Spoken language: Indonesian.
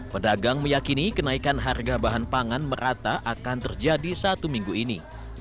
pedagang meyakini kenaikan harga bahan pangan merata akan terjadi satu minggu ini